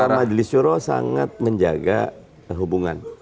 ketika majelis soro sangat menjaga hubungan